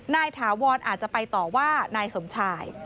ถาวรอาจจะไปต่อว่านายสมชาย